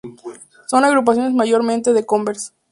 Son agrupaciones mayormente de covers.